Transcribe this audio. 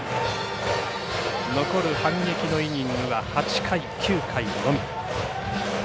残る反撃のイニングは８回９回のみ。